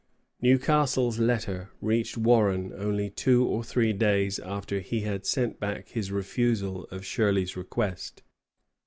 ] Newcastle's letter reached Warren only two or three days after he had sent back his refusal of Shirley's request.